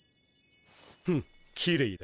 フッきれいだ。